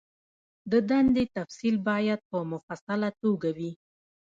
د دندې تفصیل باید په مفصله توګه وي.